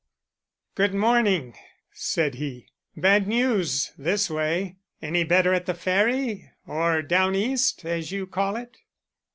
"Good morning," said he. "Bad news this way. Any better at the Ferry, or down east, as you call it?"